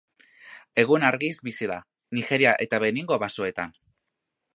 Egun-argiz bizi da, Nigeria eta Beningo basoetan.